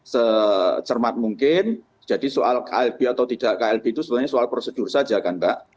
secermat mungkin jadi soal klb atau tidak klb itu sebenarnya soal prosedur saja kan mbak